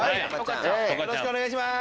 よろしくお願いします。